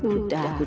aku ada siapa tau